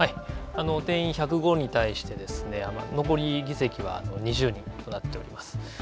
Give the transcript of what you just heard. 定員１０５に対して残り議席は、２０人となっております。